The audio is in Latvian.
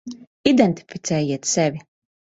Identificējiet sevi.